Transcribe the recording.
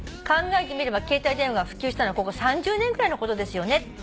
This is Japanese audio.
「考えてみれば携帯電話が普及したのはここ３０年くらいのことですよね」